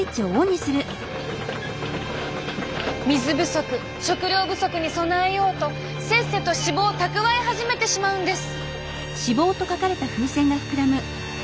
水不足食糧不足に備えようとせっせと脂肪を蓄え始めてしまうんです。